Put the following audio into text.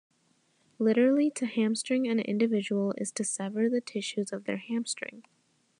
Literally, to hamstring an individual is to sever the tissues of their hamstring.